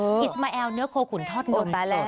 อิสมแอลเนื้อโคขุนทอดนมสด